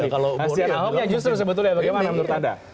kasian ahoknya justru sebetulnya bagaimana menurut anda